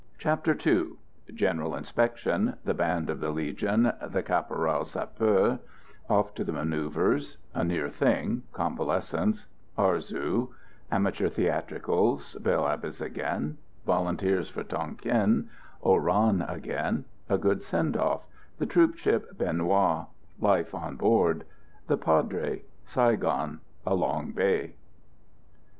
CHAPTER II General inspection The band of the Legion The caporal sapeur Off to the manoeuvres A near thing Convalescence Arzew Amateur theatricals Bel Abbes again Volunteers for Tonquin Oran again A good send off The troop ship Bien Hoa, life on board The Padre Saigon Along Bay.